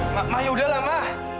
ma ma yaudahlah ma